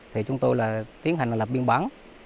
thì chúng tôi là tiến hành là lập biên bản